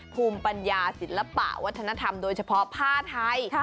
ภูมิปัญญาศิลปะวัฒนธรรมโดยเฉพาะผ้าไทย